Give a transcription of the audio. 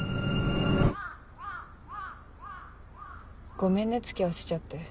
ごめんね付き合わせちゃって。